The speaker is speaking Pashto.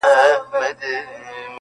o درته ښېرا كومه.